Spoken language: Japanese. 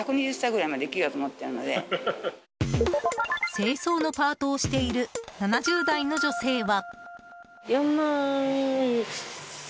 清掃のパートをしている７０代の女性は。